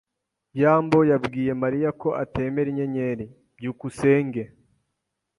byambo yabwiye Mariya ko atemera inyenyeri. byukusenge